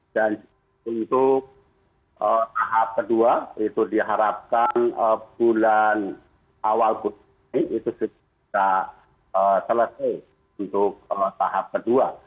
dan untuk tahap kedua itu diharapkan bulan awal kutub ini itu bisa selesai untuk tahap kedua